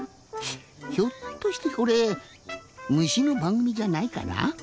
ひょっとしてこれむしのばんぐみじゃないから？